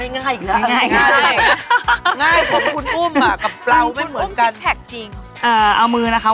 เออเอามือนะคะ